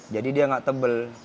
jadi dia nggak tebel